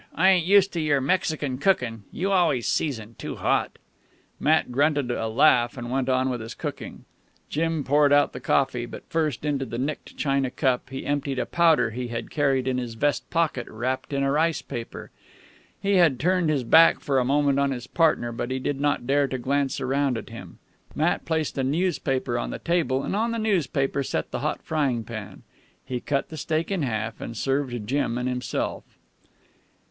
"I ain't used to your Mexican cookin'. You always season too hot." Matt grunted a laugh and went on with his cooking. Jim poured out the coffee, but first, into the nicked china cup, he emptied a powder he had carried in his vest pocket wrapped in a rice paper. He had turned his back for the moment on his partner, but he did not dare to glance around at him. Matt placed a newspaper on the table, and on the newspaper set the hot frying pan. He cut the steak in half, and served Jim and himself.